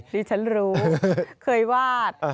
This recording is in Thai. ดิฉันรู้เคยวาด